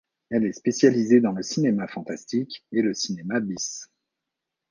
Elle est spécialisée dans le cinéma fantastique et le cinéma bis.